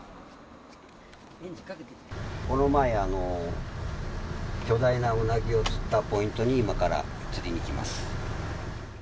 この前、巨大なウナギを釣ったポイントに、今から釣りに行きます。